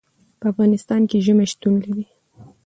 په افغانستان کې ژمی شتون لري.